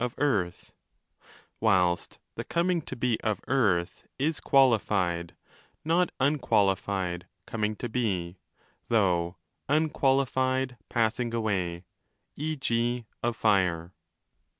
of Earth): whilst the coming to be of Earth is gualified (not unqualified) 'coming to be', though unqualified 'passing away' (e.g. of Fire).